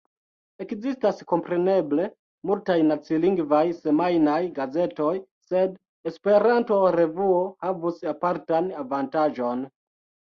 Ekzistas kompreneble multaj nacilingvaj semajnaj gazetoj, sed Esperanto-revuo havus apartan avantaĝon.